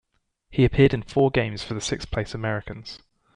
He appeared in four games for the sixth-place Americans.